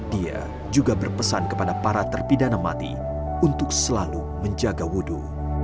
dia juga berpesan kepada para terpidana mati untuk selalu menjaga wudhu